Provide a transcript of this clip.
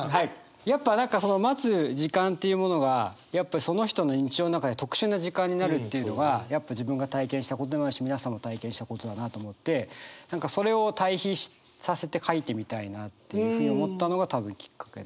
やっぱ何かその待つ時間っていうものがやっぱりその人の日常の中で特殊な時間になるっていうのがやっぱ自分が体験したことでもあるし皆さんも体験したことだなと思って何かそれを対比させて書いてみたいなっていうふうに思ったのが多分きっかけで。